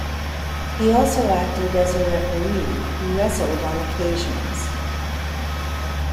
He also acted as a referee who wrestled on occasions.